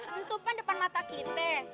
itu pan depan mata kita